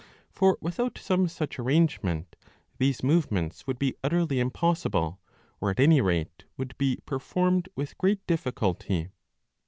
For without some such arrangement these movements would be utterly impossible, or at any rate would be performed with great difficulty.